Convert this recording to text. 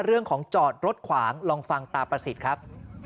เรื่องของจอดรถขวางลองฟังตาประสิทธิ์ครับ